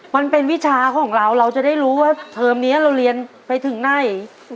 วิชาของเราเราจะได้รู้ว่าเทอมนี้เราเรียนไปถึงไหน